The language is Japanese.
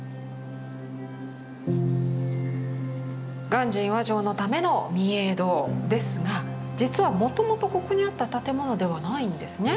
鑑真和上のための御影堂ですが実はもともとここにあった建物ではないんですね。